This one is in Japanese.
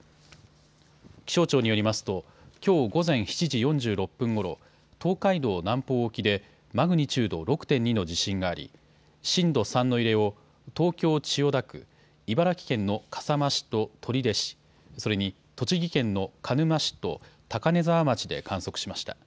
気象庁によりますときょう午前７時４６分ごろ、東海道南方沖でマグニチュード６．２の地震があり震度３の揺れを東京千代田区、茨城県の笠間市と取手市、それに栃木県の鹿沼市と高根沢町で観測しました。